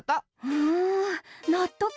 うんなっとく！